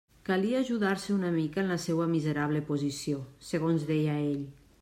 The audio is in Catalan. Calia ajudar-se una mica en la seua miserable posició, segons deia ell.